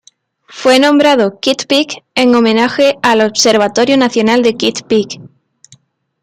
Fue nombrado Kitt Peak en homenaje al Observatorio Nacional de Kitt Peak.